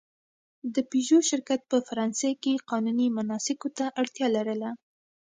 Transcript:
د پيژو شرکت په فرانسې کې قانوني مناسکو ته اړتیا لرله.